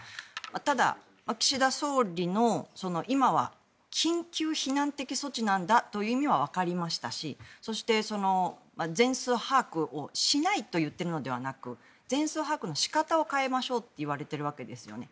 ただ、岸田総理の今は緊急避難的措置なんだという意味はわかりましたしそして、全数把握をしないと言っているのではなく全数把握の仕方を変えましょうと言われているわけですよね。